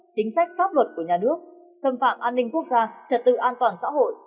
chính sách pháp luật của nhà nước xâm phạm an ninh quốc gia trật tự an toàn xã hội